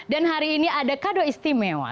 dan hari ini ada kado istimewa